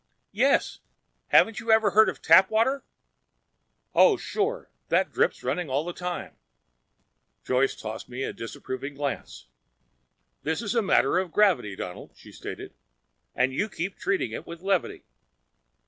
"Yes. Haven't you ever heard of Tapwater?" "Oh, sure! That drip's running all the time!" Joyce tossed me a reproving glance. "This is a matter of gravity, Donald," she stated, "and you keep treating it with levity.